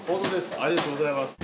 ありがとうございます。